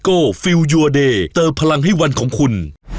โอ๊ยโอ๊ยโอ๊ย